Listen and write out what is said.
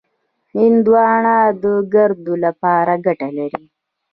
هندوانه د ګردو لپاره ګټه لري.